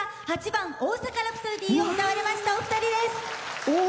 ８番「大阪ラプソディー」を歌われましたお二人です。